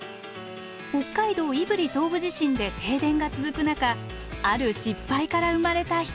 北海道胆振東部地震で停電が続く中ある失敗から生まれた一品。